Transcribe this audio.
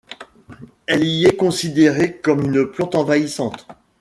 Elle y est considérée comme une plante envahissante.